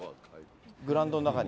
グラウンドの中に。